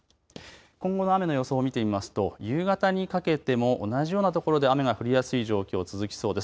今後の雨の予想を見てみますと夕方にかけても同じような所で雨が降りやすい状況続きそうです。